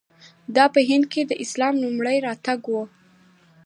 دا په هند کې د اسلام لومړی راتګ و.